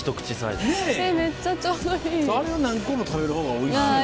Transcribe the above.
あれを何個も食べるほうがおいしい牡蠣。